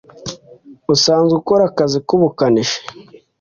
usanzwe ukora akazi k’ubukanishi